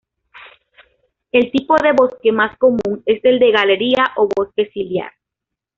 El tipo de bosque más común es el de galería o bosque ciliar.